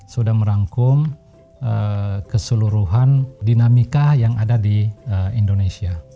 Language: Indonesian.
sudah merangkum keseluruhan dinamika yang ada di indonesia